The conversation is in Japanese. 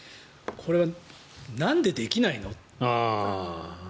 これはなんでできないの？